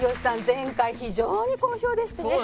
前回非常に好評でしてね。